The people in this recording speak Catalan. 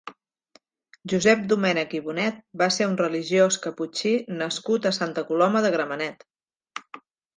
Josep Domenech i Bonet va ser un religiós caputxí nascut a Santa Coloma de Gramenet.